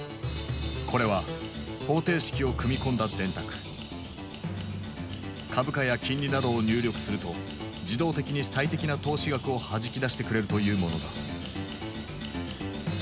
これは株価や金利などを入力すると自動的に最適な投資額をはじき出してくれるというものだ。